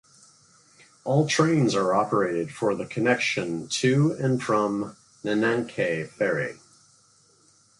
All trains are operated for the connection to and from Nankai Ferry.